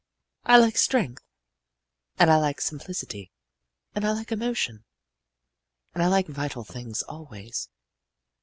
"I like strength, and I like simplicity, and I like emotion, and I like vital things always.